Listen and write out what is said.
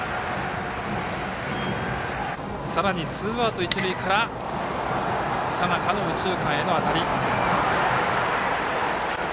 さらにツーアウト、一塁から佐仲の右中間への当たり。